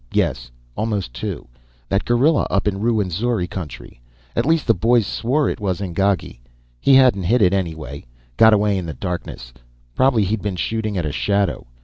Yes, almost two. That gorilla up in Ruwenzori country. At least the boys swore it was ingagi. He hadn't hit it, anyway. Got away in the darkness. Probably he'd been shooting at a shadow.